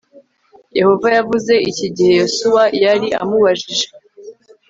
yehova yavuze iki igihe yosuwa yari amubajije